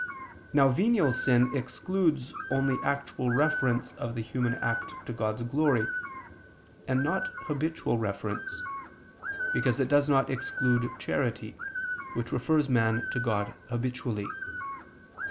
Now venial sin excludes only actual reference of the human act to God's glory, and not habitual reference: because it does not exclude charity, which refers man to God habitually.